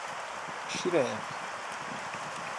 Şîr e ev?